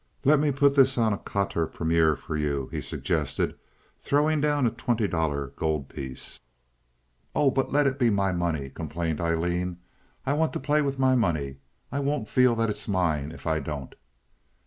"Let me put this on quatre premier for you," he suggested, throwing down a twenty dollar gold piece. "Oh, but let it be my money," complained Aileen. "I want to play with my money. I won't feel that it's mine if I don't."